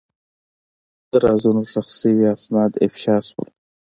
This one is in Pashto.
د رازونو ښخ شوي اسناد افشا شول.